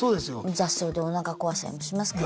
雑草でおなか壊したりもしますから。